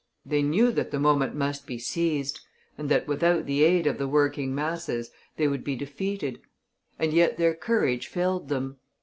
They knew that the moment must be seized, and that, without the aid of the working masses, they would be defeated; and yet their courage failed them.